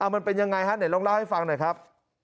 อ๋อมันเป็นอย่างไรฮะให้ลองเล่าให้ฟังหน่อยครับ